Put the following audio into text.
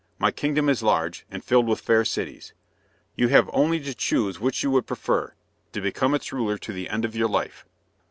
"My kingdom is large, and filled with fair cities. You have only to choose which you would prefer, to become its ruler to the end of your life."